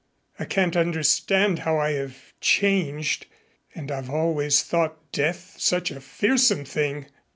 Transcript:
I can't understand how I have changed. And I've always thought death such a fearsome thing!"